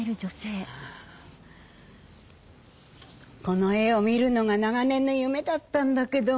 この絵を見るのが長年の夢だったんだけど。